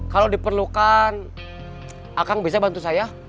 kalau diperlukan akang bisa bantu saya